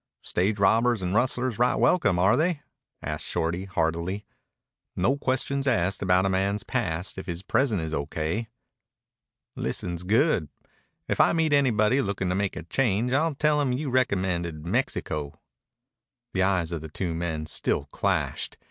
"Stage robbers and rustlers right welcome, are they?" asked Shorty hardily. "No questions asked about a man's past if his present is O.K." "Listens good. If I meet anybody lookin' to make a change I'll tell him you recommended Mexico." The eyes of the two men still clashed.